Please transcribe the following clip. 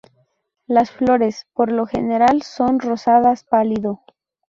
Las flores, por lo general, son rosadas pálido.